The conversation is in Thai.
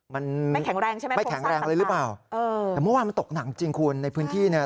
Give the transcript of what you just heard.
มันไม่แข็งแรงใช่ไหมพวกสร้างต่างแต่เมื่อวานมันตกหนังจริงคุณในพื้นที่เนี่ย